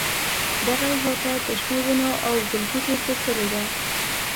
دغه احاطه په شنو ونو او ګلبوټو پوښلې ده.